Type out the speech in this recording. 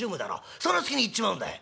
その隙に行っちまうんだ」。